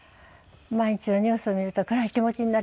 毎日のニュースを見ると暗い気持ちになりますから。